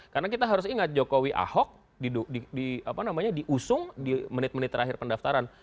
karena kita harus ingat jokowi ahok diusung di menit menit terakhir pendaftaran